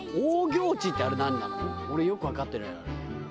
俺よくわかってないあれ。